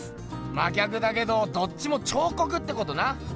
真逆だけどどっちも彫刻ってことな！